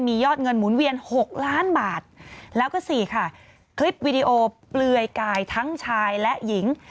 มียอดเงินหมุนเวียน๖ล้านบาทแล้วก็สี่ค่ะคลิปวิดีโอเปลือยกายทั้งชายและหญิง